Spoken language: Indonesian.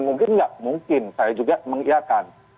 mungkin nggak mungkin saya juga mengiakan